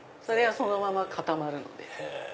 そのまま固まるので。